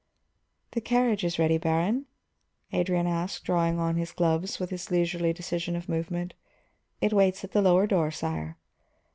"The carriage is ready, Baron?" Adrian asked, drawing on his gloves with his leisurely decision of movement. "It waits at the lower door, sire."